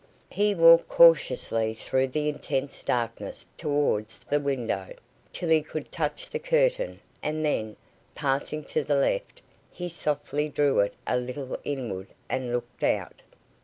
He walked cautiously through the intense darkness towards the window, till he could touch the curtain, and then, passing to the left, he softly drew it a little inward, and looked out.